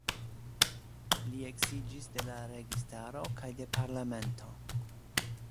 Li eksiĝis de la registaro kaj de parlamento.